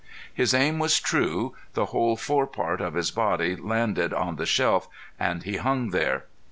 His aim was true, the whole forepart of his body landed on the shelf and he hung there.